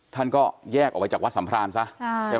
ท่านก็แยกออกไปจากวัดสัมพรานซะใช่ไหม